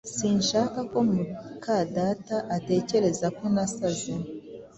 Sinshaka ko mukadata atekereza ko nasaze.